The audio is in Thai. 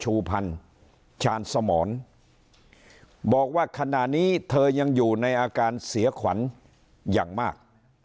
ชูพันธ์ชาญสมรบอกว่าขณะนี้เธอยังอยู่ในอาการเสียขวัญอย่างมาก